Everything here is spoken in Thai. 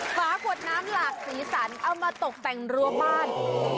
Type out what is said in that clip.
ฝาขวดน้ำหลากสีสันเอามาตกแต่งรั้วบ้าน